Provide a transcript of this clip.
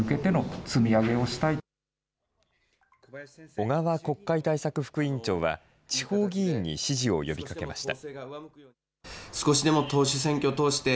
小川国会対策副委員長は地方議員に支持を呼びかけました。